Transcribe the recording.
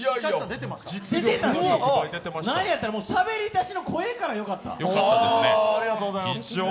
出てたし、なんやったらしゃべり出しの声からよかった。